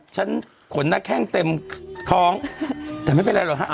ขนหน้าแข้งเต็มท้องแต่ไม่เป็นไรหรอกฮะ